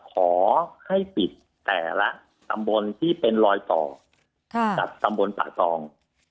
ขอให้ปิดแต่ละตำบลที่เป็นรอยต่อกับตำบลป่าตอง